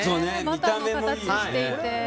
バターの形していて。